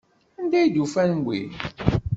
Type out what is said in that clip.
Anda ay d-ufant wi?